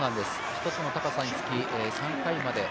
１つの高さにつき３回まで。